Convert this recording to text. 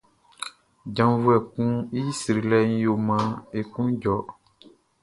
Djavuɛ kun i srilɛʼn yo maan e klun jɔ.